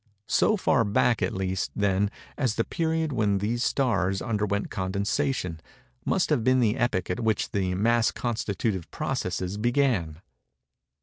So far back at least, then, as the period when these stars underwent condensation, must have been the epoch at which the mass constitutive processes began.